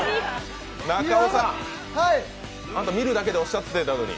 中尾さん、あんた見るだけっておっしゃってたのに。